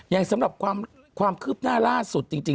สำหรับความคืบหน้าล่าสุดจริง